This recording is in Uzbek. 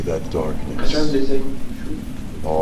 — Qachon desang, shu.